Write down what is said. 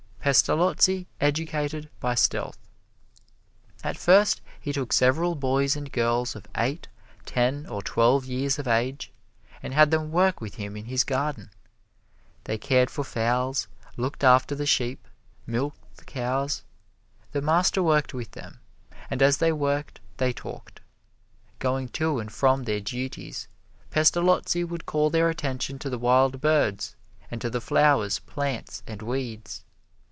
Pestalozzi educated by stealth. At first he took several boys and girls of eight, ten or twelve years of age, and had them work with him in his garden. They cared for fowls, looked after the sheep, milked the cows. The master worked with them, and as they worked they talked. Going to and from their duties, Pestalozzi would call their attention to the wild birds, and to the flowers, plants and weeds.